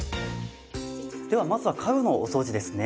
ではまずは家具のお掃除ですね。